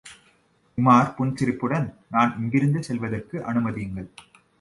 உமார் புன்சிரிப்புடன், நான் இங்கிருந்து செல்வதற்கு அனுமதியுங்கள்.